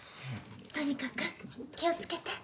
とにかく気をつけて。